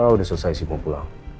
udah selesai sih mau pulang